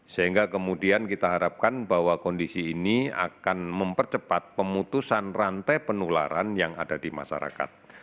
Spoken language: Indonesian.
sehingga kemudian kita harapkan bahwa kondisi ini akan mempercepat pemutusan rantai penularan yang ada di masyarakat